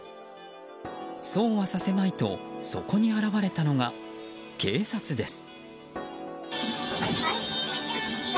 そうはさせまいとそこに現れたのが警察です。